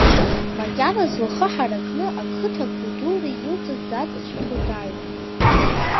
Макьаназы лхы ҳаракны, ақыҭа гәадура илыҵаз даҵаҽырбо дааиуан.